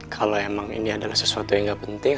kalau emang ini adalah sesuatu yang gak penting